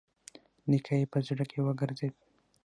نيکه يې په زړه کې وګرځېد.